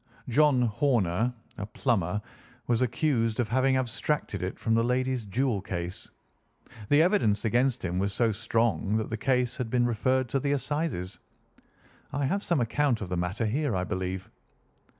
John Horner, a plumber, was accused of having abstracted it from the lady's jewel case. The evidence against him was so strong that the case has been referred to the Assizes. I have some account of the matter here, I believe."